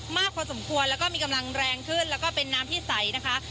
มากพอสมควรแล้วก็มีกำลังแรงขึ้นแล้วก็เป็นน้ำที่ใสนะคะ